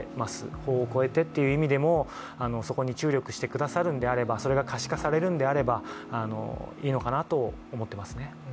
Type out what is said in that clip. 法を超えてという意味でも、そこに注力してくださるのであれば、それが可視化されるのであればいいのかなと思っていますね。